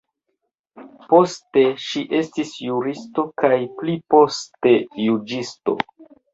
Poste ŝi estis juristo kaj pliposte juĝisto.